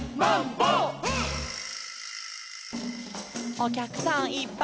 「おきゃくさんいっぱいや」